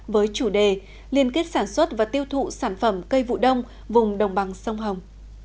với chủ đề liên kết sản xuất và tiêu thụ sản phẩm cây vụ đông vùng đồng bằng sông hồng